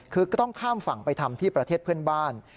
คือก็ต้องข้ามฝั่งไปทำที่ประเทศเพื่อนบ้าน